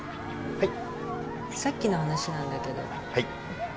はい？